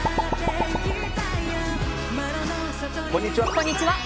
こんにちは。